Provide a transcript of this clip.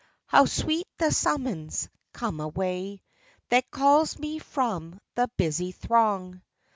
How sweet the summons, " Come away !" That calls me from the busy throng.